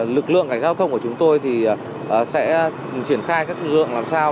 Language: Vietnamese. lực lượng cảnh giao thông của chúng tôi sẽ triển khai các lượng làm sao